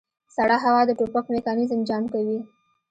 سړه هوا د ټوپک میکانیزم جام کوي